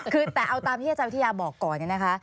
คือแต่เอาตามที่อาจารย์วิทยาบอกก่อนเนี่ยนะคะ